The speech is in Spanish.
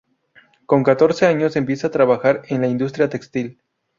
Con catorce años empieza a trabajar en la industria textil.